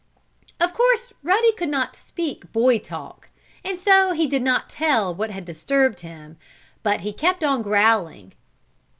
Of course Ruddy could not speak boy talk, and so he could not tell what had disturbed him, but he kept on growling.